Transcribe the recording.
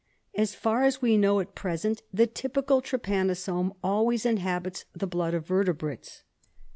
As far as we know at present, the typical trypanosome always inhabits the blood of vertebrates.